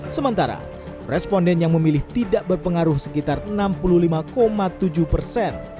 sementara responden yang memilih tidak berpengaruh sekitar enam puluh lima tujuh persen